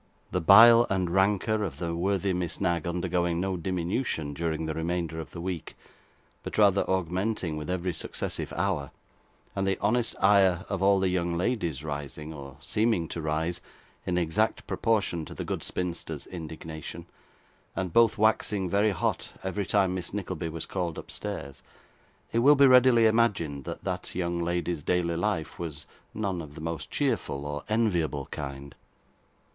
The bile and rancour of the worthy Miss Knag undergoing no diminution during the remainder of the week, but rather augmenting with every successive hour; and the honest ire of all the young ladies rising, or seeming to rise, in exact proportion to the good spinster's indignation, and both waxing very hot every time Miss Nickleby was called upstairs; it will be readily imagined that that young lady's daily life was none of the most cheerful or enviable kind.